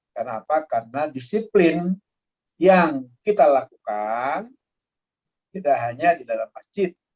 karena apa karena disiplin yang kita lakukan tidak hanya di dalam masjid